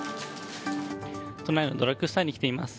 都内のドラッグストアに来ています。